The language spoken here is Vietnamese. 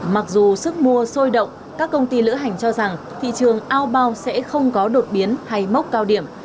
mặc dù sức mua sôi động các công ty lữ hành cho rằng thị trường ao bao sẽ không có đột biến hay mốc cao điểm